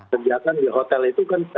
sejajar kan di hotel itu kan